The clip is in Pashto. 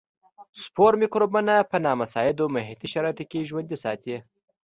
سپور مکروبونه په نامساعدو محیطي شرایطو کې ژوندي ساتي.